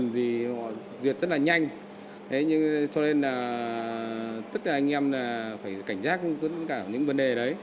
vì họ duyệt rất là nhanh cho nên tất cả anh em phải cảnh giác tất cả những vấn đề đấy